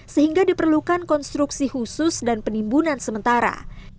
sehingga diperlukan konstruksi khusus dan penimbunan sementara